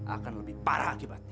akan lebih parah akibatnya